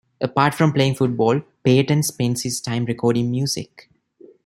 Apart from playing football, Payton spends his time recording music.